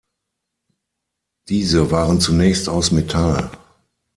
Diese waren zunächst aus Metall.